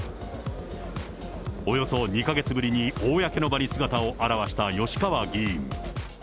およそ２か月ぶりに、公の場に姿を現した吉川議員。